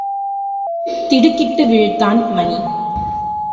திடுக்கிட்டு விழித்தான் மணி.